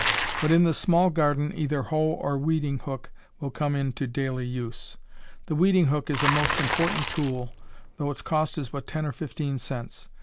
But in the small garden either hoe or weeding hook will come into daily use. The weeding hook is a most important tool, though its cost is but ten or fifteen cents.